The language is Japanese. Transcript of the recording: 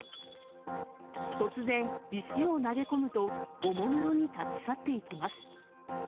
突然、石を投げ込むと、おもむろに立ち去っていきます。